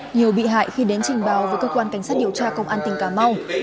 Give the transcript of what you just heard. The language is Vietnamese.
nhiều bị hại khi đến trình báo với cơ quan cảnh sát điều tra công an tỉnh cà mau